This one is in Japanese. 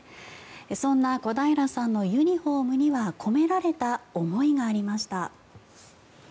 そんな小平さんのユニホームには込められた思いがありました。